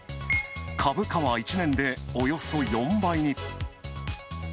株価は１年でおよそ４倍に。